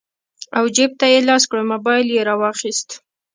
او جېب ته يې لاس کړو موبايل يې رواخيست